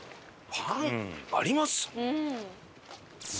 パンあります？